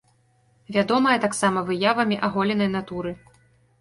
Вядомая таксама выявамі аголенай натуры.